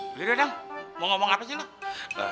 boleh deh dong mau ngomong apa sih lo